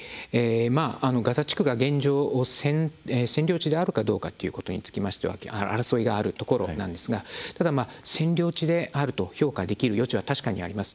ガザ地区が現状占領地であるかということにつきましては争いがあるところなんですがただ、占領地であると評価できる余地は確かにあります。